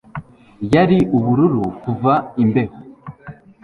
Yari ubururu kuva imbeho